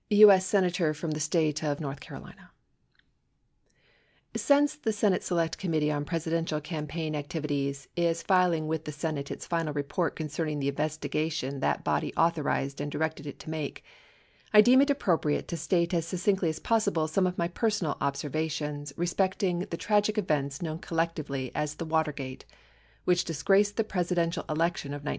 U.S. Senator From the State of North Carolina Since the Senate Select Committee on Presidential Campaign Ac tivities is filing with the Senate its final report concerning the investi gation that body authorized and directed it to make, I deem it appro priate to state as succinctly as possible some of my personal observa tions respecting the tragic events known collectively as the Water gate, which disgraced the Presidential election of 1972.